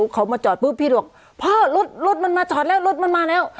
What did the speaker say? เขามาจอดปุ๊บพี่บอกพ่อรถรถมันมาจอดแล้วรถมันมาแล้ว